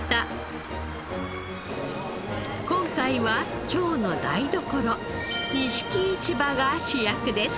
今回は京の台所錦市場が主役です。